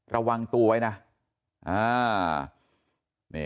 ระวังตัวไว้นะ